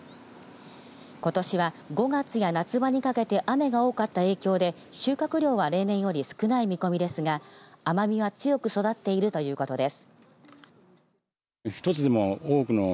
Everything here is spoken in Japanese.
ことしは、５月や夏場にかけて雨が多かった影響で収穫量は例年より少ない見込みですが甘みは強く育っているということです。